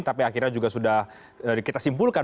tapi akhirnya juga sudah kita simpulkan